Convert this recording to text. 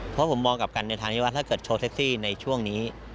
เพราะผมมองกลับกันในทางที่ว่าถ้าเกิดโชว์แท็กซี่ในช่วงนี้